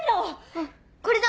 あっこれだ。